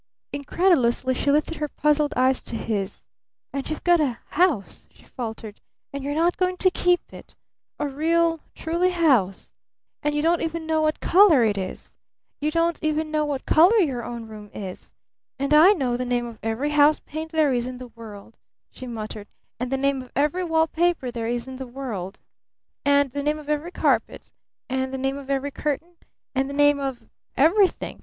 Incredulously she lifted her puzzled eyes to his. "And you've got a house?" she faltered. "And you're not going to keep it? A real truly house? And you don't even know what color it is? You don't even know what color your own room is? And I know the name of every house paint there is in the world," she muttered, "and the name of every wall paper there is in the world, and the name of every carpet, and the name of every curtain, and the name of everything.